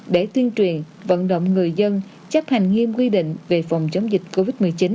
để tuyên truyền vận động người dân chấp hành nghiêm quy định về phòng chống dịch covid một mươi chín